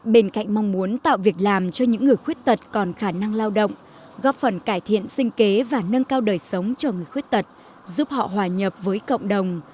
bên cạnh mong muốn tạo việc làm cho những người khuyết tật còn khả năng lao động góp phần cải thiện sinh kế và nâng cao đời sống cho người khuyết tật giúp họ hòa nhập với cộng đồng